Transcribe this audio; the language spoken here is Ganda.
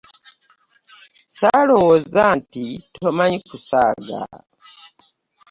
Ssaalowooza nti tomanyi kusaaga.